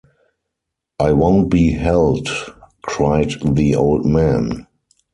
‘I won’t be held!’ cried the old man.